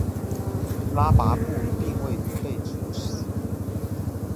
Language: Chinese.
拉跋布并未被处死。